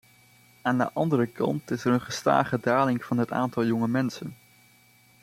Aan de andere kant is er een gestage daling van het aantal jonge mensen.